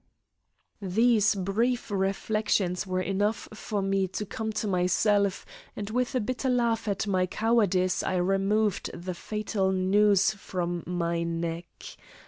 These brief reflections were enough for me to come to myself, and with a bitter laugh at my cowardice I removed the fatal noose from my neck.